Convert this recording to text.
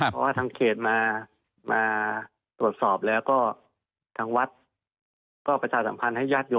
ไปที่สำนักงานประพุทธศาสนา